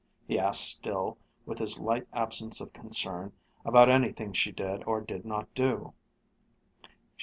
he asked still with his light absence of concern about anything she did or did not do.